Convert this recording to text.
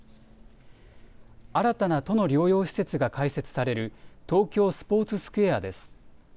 新たな都の療養施設が開設される、東京スポーツスクエアです。